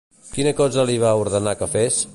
Quina cosa li va ordenar que fes?